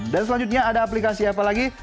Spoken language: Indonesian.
dan selanjutnya ada aplikasi apa lagi